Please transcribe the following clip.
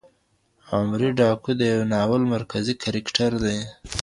عمري ډاکو د یو ناول مرکزي کرکټر دی.